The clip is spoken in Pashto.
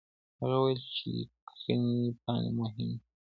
هغه وويل چي ليکلي پاڼي مهم دي؟!